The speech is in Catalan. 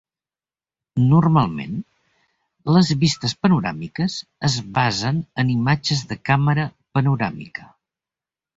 Normalment, les vistes panoràmiques es basen en imatges de càmera panoràmica.